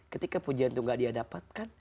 ketika pujian itu tidak dia dapatkan